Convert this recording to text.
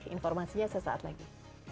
informasinya sesaat lagi